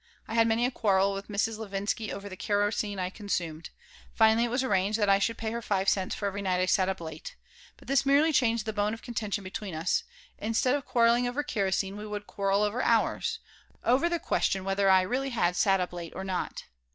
I had many a quarrel with Mrs. Levinsky over the kerosene I consumed. Finally it was arranged that I should pay her five cents for every night I sat up late. But this merely changed the bone of contention between us. Instead of quarreling over kerosene, we would quarrel over hours over the question whether I really had sat up late or not.